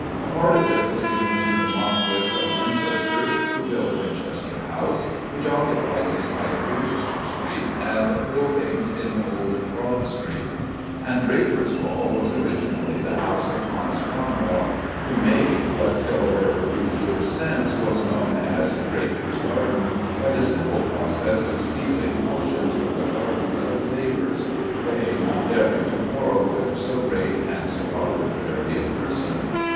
A part of it was given to the Marquis of Winchester, who built Winchester House, which occupied the site of Winchester Street and Buildings in Old Broad Street; and Drapers' Hall was originally the house of Thomas Cromwell, who made what till a very few years since was known as Drapers' Gardens by the simple process of stealing portions from the gardens of his neighbours, they not daring to quarrel with so great and so arbitrary a person.